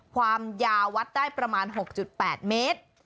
ความยาววัดได้ประมาณ๖๘เมตร